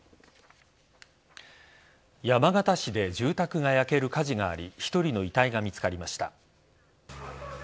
山形市で住宅が焼ける火事があり１人の遺体が見つかりました。